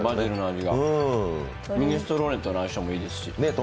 ミネストローネとの相性もいいし。